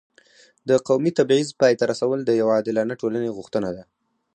د قومي تبعیض پای ته رسول د یو عادلانه ټولنې غوښتنه ده.